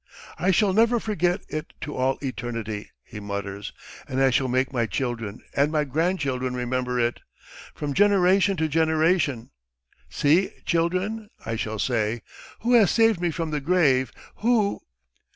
"I shall never forget it to all eternity ..." he mutters, "and I shall make my children and my grandchildren remember it ... from generation to generation. 'See, children,' I shall say, 'who has saved me from the grave, who